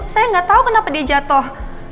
saya gak tau kenapa dia jatuh